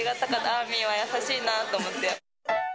アーミーは優しいなと思って。